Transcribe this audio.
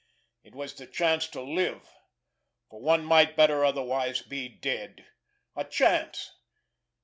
It was the chance to live—for one might better otherwise be dead! A chance!